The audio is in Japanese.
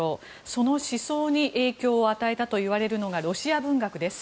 その思想に影響を与えたといわれるのがロシア文学です。